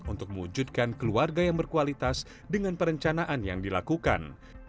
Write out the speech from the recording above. untuk mewujudkan keluarga yang berkualitas dengan perencanaan yang dilakukan